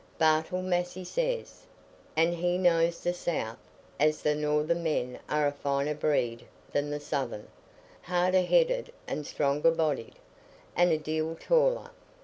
Bartle Massey says—and he knows the South—as the northern men are a finer breed than the southern, harder headed and stronger bodied, and a deal taller.